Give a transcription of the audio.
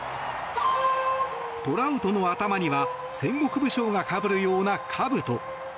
トラウトの頭には戦国武将がかぶるようなかぶと。